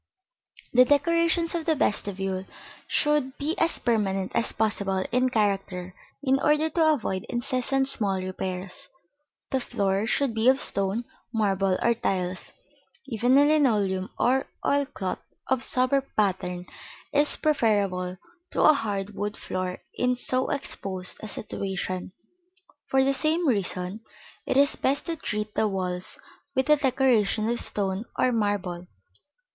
The decorations of the vestibule should be as permanent as possible in character, in order to avoid incessant small repairs. The floor should be of stone, marble, or tiles; even a linoleum or oil cloth of sober pattern is preferable to a hard wood floor in so exposed a situation. For the same reason, it is best to treat the walls with a decoration of stone or marble.